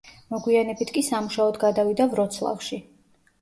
მოგვიანებით კი სამუშაოდ გადავიდა ვროცლავში.